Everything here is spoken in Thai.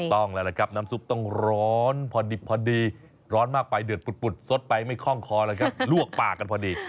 ต้องแล้วล่ะครับน้ำซุปต้องร้อนพอดิบพอดีร้อนมากไปเดือดปุดสดไปไม่คล่องคอเลยครับลวกปากกันพอดี